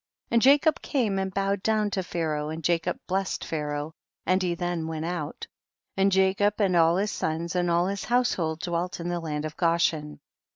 25. And Jacob came and bowed down to Pharaoh, and Jacob blessed Pharaoh, and he then went out ; and Jacob and all his sons, and all his household dwelt in the land of (loshen.